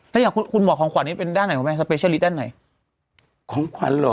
แล้วคุณหมอของขวัญนี้เป็นด้านไหน